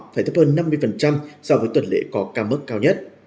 phải thấp hơn năm mươi so với tuần lễ có ca mức cao nhất